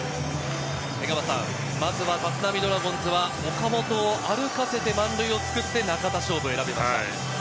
まずは立浪ドラゴンズは岡本を歩かせて満塁を作って中田翔との勝負を選びました。